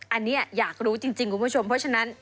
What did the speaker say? อันนี้อยากรู้จริงคุณผู้ชมเพราะฉะนั้น